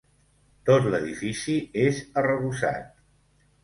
Tot l'edifici és arrebossat.